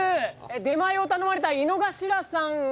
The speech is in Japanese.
出前を頼まれた井之頭さんは？